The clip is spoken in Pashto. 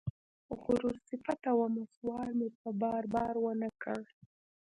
غرور صفته ومه سوال مې په بار، بار ونه کړ